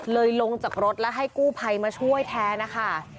ลงจากรถแล้วให้กู้ภัยมาช่วยแทนนะคะ